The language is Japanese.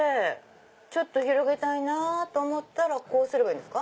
ちょっと広げたいなぁと思ったらこうすればいいんですか？